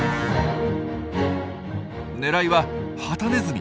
狙いはハタネズミ。